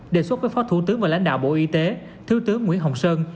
đề xuất với phó thủ tướng và lãnh đạo bộ y tế thiếu tướng nguyễn hồng sơn